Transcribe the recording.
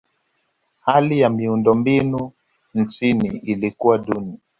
hali ya miundombinu nchini ilikuwa duni